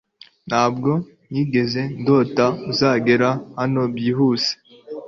ntabwo nigeze ndota uzagera hano byihuse